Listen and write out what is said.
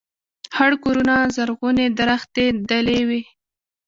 خړ کورونه زرغونې درختي دلې وې